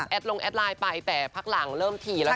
แล้วก็แอดลงแอดไลน์ไปแต่พักหลังเริ่มถี่แล้วเถอะ